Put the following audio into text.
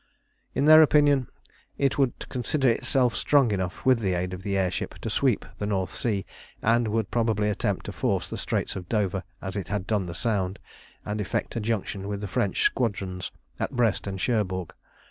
In their opinion it would consider itself strong enough, with the aid of the air ship, to sweep the North Sea, and would probably attempt to force the Straits of Dover, as it has done the Sound, and effect a junction with the French squadrons at Brest and Cherbourg.